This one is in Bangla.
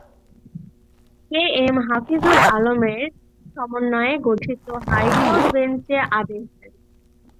কে এম হাফিজুল আলমের সমন্বয়ে গঠিত হাইকোর্ট বেঞ্চ এ আদেশ দেন।